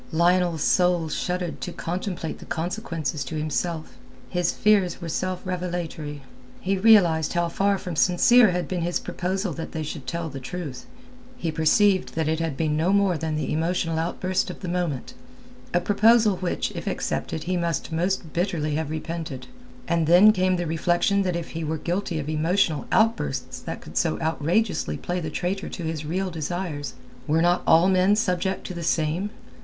Lionel's soul shuddered to contemplate the consequences to himself. His fears were self revelatory. He realized how far from sincere had been his proposal that they should tell the truth; he perceived that it had been no more than the emotional outburst of the moment, a proposal which if accepted he must most bitterly have repented. And then came the reflection that if he were guilty of emotional outbursts that could so outrageously play the traitor to his real desires, were not all men subject to the same?